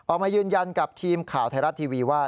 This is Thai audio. ออกมายืนยันกับทีมข่าวไทยรัฐทีวีว่า